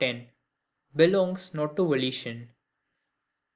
Belongs not to Volition.